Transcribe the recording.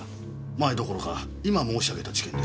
マエどころか今申し上げた事件です。